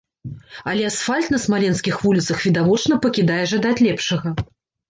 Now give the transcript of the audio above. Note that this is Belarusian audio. Але асфальт на смаленскіх вуліцах відавочна пакідае жадаць лепшага.